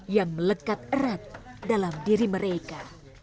yang melekat erat dalam diri mereka